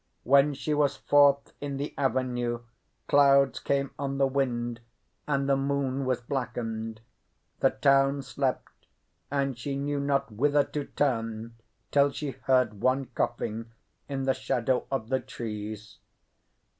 When she was forth in the avenue clouds came on the wind, and the moon was blackened. The town slept, and she knew not whither to turn till she heard one coughing in the shadow of the trees.